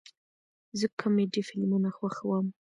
زه کامیډي فلمونه خوښوم